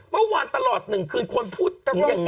เมื่อวันตลอดหนึ่งคืนคนพูดถึงยังหมด